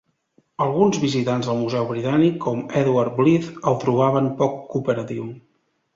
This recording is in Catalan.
Alguns visitants del Museu Britànic, com Edward Blyth, el trobaven poc cooperatiu.